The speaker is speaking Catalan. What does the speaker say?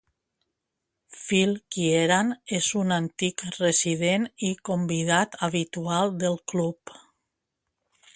Phil Kieran és un antic resident i convidat habitual del club.